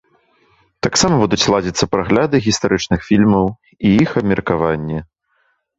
Таксама будуць ладзіцца прагляды гістарычных фільмаў і іх абмеркаванне.